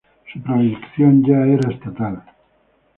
Su proyección era ya estatal.